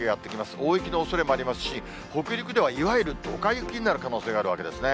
大雪のおそれもありますし、北陸ではいわゆるドカ雪になる可能性があるわけですね。